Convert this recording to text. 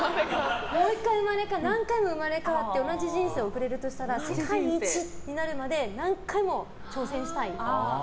何回も生まれ変わって同じ人生を送れるとしたら世界一になるまで何回も挑戦したい。